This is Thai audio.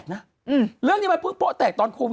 คุณหนุ่มกัญชัยได้เล่าใหญ่ใจความไปสักส่วนใหญ่แล้ว